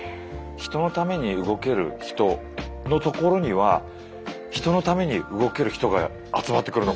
人のために動ける人のところには人のために動ける人が集まってくるのかな。